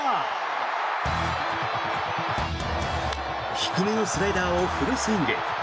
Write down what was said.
低めのスライダーをフルスイング。